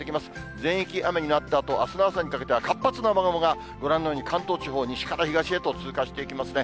全域雨になったあと、あすの朝にかけては、活発な雨雲がご覧のように、関東地方、西から東へと通過していきますね。